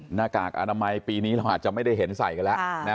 หน้ากากอนามัยปีนี้เราอาจจะไม่ได้เห็นใส่กันแล้ว